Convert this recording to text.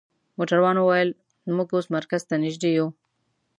موټروان وویل: موږ اوس مرکز ته نژدې یو.